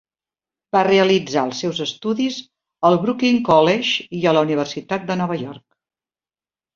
Va realitzar el seus estudis al Brooklyn College i a la Universitat de Nova York.